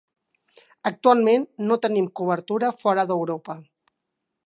Actualment, no tenim cobertura fora d'Europa.